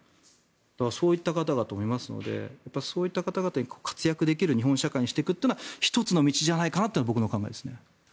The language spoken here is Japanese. そういった方々だと思いますのでそういった方が活躍できる日本社会にしていくのが１つの道じゃないかなというのが僕の考えです。